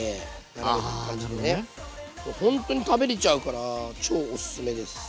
あなるほどね。ほんとに食べれちゃうから超おすすめです。